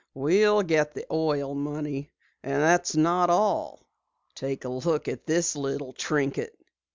"We'll get the oil money. And that's not all. Take a look at this little trinket!"